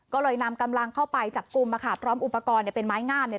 ก็เลยนำกำลังเข้าไปจับกลุ่มมาค่ะพร้อมอุปกรณ์เนี่ยเป็นไม้งามเนี่ย